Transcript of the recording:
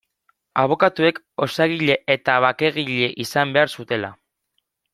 Abokatuek osagile eta bakegile izan behar zutela.